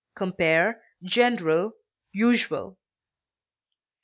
Compare GENERAL; USUAL.